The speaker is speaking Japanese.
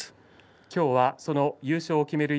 きょうはその優勝を決める